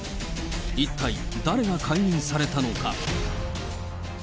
一体誰が解任されたのか。